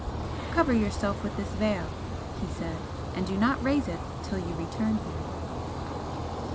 "Cover yourself with this veil," he said "and do not raise it till you return here."